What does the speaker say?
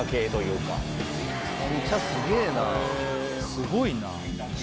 すごいな。